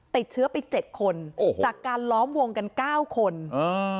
ติดเชื้อไปเจ็ดคนโอ้โหจากการล้อมวงกันเก้าคนอ่า